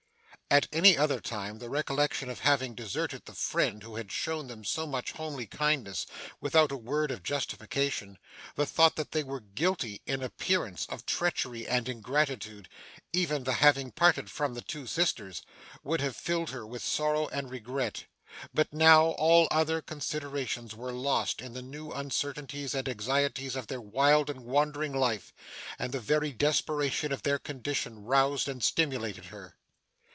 At any other time, the recollection of having deserted the friend who had shown them so much homely kindness, without a word of justification the thought that they were guilty, in appearance, of treachery and ingratitude even the having parted from the two sisters would have filled her with sorrow and regret. But now, all other considerations were lost in the new uncertainties and anxieties of their wild and wandering life; and the very desperation of their condition roused and stimulated her.